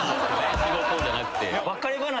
仕事じゃなくて。